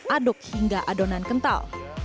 aduk hingga adonan kental